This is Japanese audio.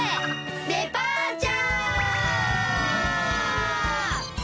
デパーチャー！